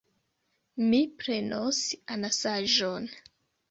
Mi prenos anasaĵon.